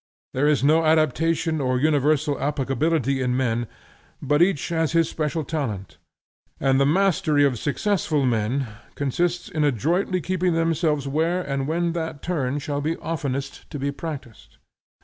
There is no adaptation or universal applicability in men, but each has his special talent, and the mastery of successful men consists in adroitly keeping themselves where and when that turn shall be oftenest to be practised.